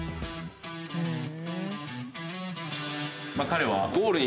ふん！